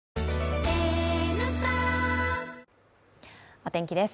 お天気です。